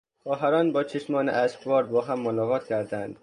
خواهران با چشمان اشکبار با هم ملاقات کردند.